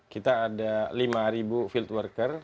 kita ada lima field worker